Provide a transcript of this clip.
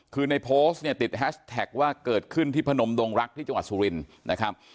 คือในโพสต์เนี่ยติดแฮชแท็กว่าเกิดขึ้นที่พนมดงรักที่จังหวัดสุรินทร์นะครับ